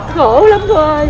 khổ lắm cô ơi